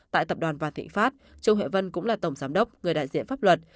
tại tập đoàn và thị phát trương huệ vân cũng là tổng giám đốc người đại diện pháp luật